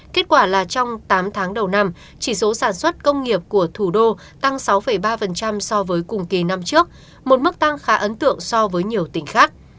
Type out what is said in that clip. kết quả là trong tám tháng đầu năm chỉ số sản xuất công nghiệp của thủ đô tăng sáu ba so với cùng kỳ năm trước một mức tăng khá ấn tượng so với nhiều tỉnh khác